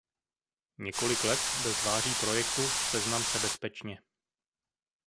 Několik let byl tváří projektu Seznam se bezpečně.